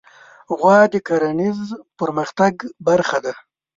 غوا د کرهڼیز پرمختګ برخه ده.